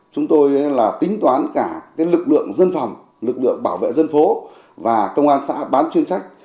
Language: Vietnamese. chúng tôi là tính toán cả lực lượng dân phòng lực lượng bảo vệ dân phố và công an xã bán chuyên trách